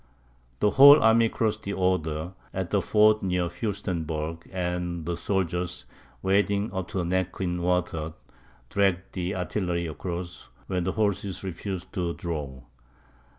The whole army crossed the Oder, at a ford near Furstenberg; and the soldiers, wading up to the neck in water, dragged the artillery across, when the horses refused to draw.